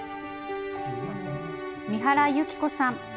三原由起子さん